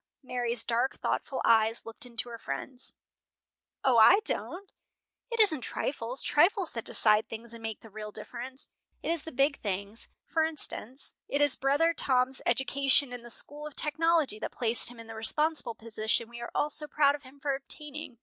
Mary's dark, thoughtful eyes looked into her friend's. "O, I don't! It isn't trifles, trifles, that decide things and make the real difference. It is the big things. For instance, it is brother Tom's education in the school of technology that placed him in the responsible position we are all so proud of him for obtaining."